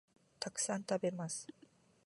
たくさん、食べます